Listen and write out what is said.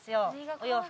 お洋服。